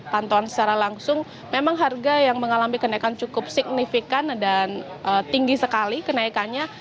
pantauan secara langsung memang harga yang mengalami kenaikan cukup signifikan dan tinggi sekali kenaikannya